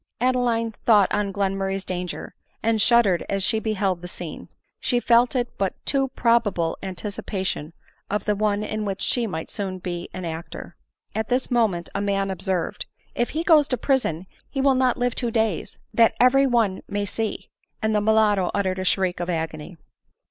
Adeline thought on Glenmurray's danger, and shud dered as she beheld the scene ; she felt it but a too pro bable anticipation of the one in which she might soon be an actor. At this moment a man observed, " If he goes to prison he will not live two days, that every one may see ;" and the mulatto uttered a shriek of agony.